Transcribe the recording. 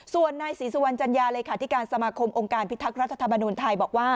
ส่วนนายศรีสุวรรณจัญญาเลขาธิการสมาคมองค์การพิทักษ์รัฐธรรมนุนไทยบอกว่า